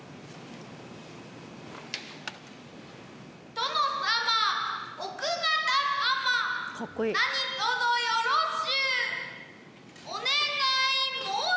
殿様奥方様何とぞよろしゅうお願い申し上げまする。